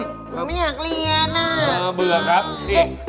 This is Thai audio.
ผมไม่อยากเรียน